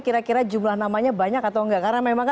kira kira jumlah namanya banyak atau enggak karena memang